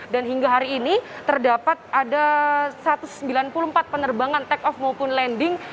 dan hingga hari ini terdapat ada satu ratus sembilan puluh empat penerbangan take off maupun landing